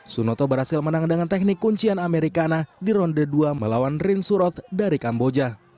sunoto berhasil menang dengan teknik kuncian amerika di ronde dua melawan rin surot dari kamboja